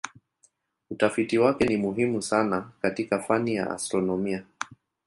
Utafiti wake ni muhimu hasa katika fani ya astronomia.